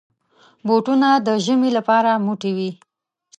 بوټونه د ژمي لپاره موټي وي.